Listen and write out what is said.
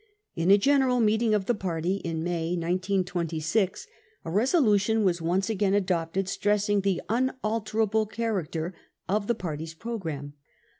In a general meeting of the party in May 1926, a resolution was once again adopted stressing the s< unalterable character 95 of the party's programme.